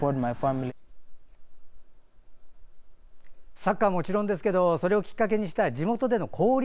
サッカーはもちろんですがそれをきっかけにした地元での交流。